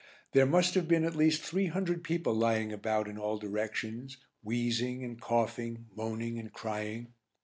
There must have been at least three hundred people lying about in all directions, wheezing and coughing, moaning and crying.